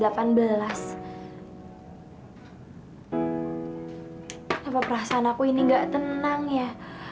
kenapa perasaan aku ini enggak tenang ya